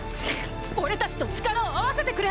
俺たちと力を合わせてくれ！